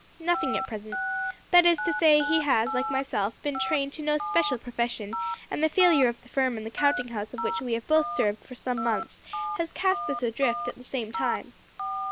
"Nothing at present. That is to say, he has, like myself, been trained to no special profession, and the failure of the firm in the counting house of which we have both served for some months has cast us adrift at the same time."